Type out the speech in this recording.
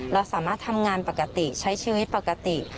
เราสามารถทำงานปกติใช้ชีวิตปกติ